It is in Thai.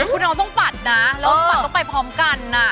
คุณน้องต้องปัดนะแล้วปัดต้องไปพร้อมกันนะ